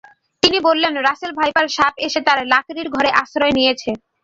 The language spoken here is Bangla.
তিনি বললেন, রাসেল ভাইপার সাপ এসে তাঁর লাকড়ির ঘরে আশ্রয় নিয়েছে।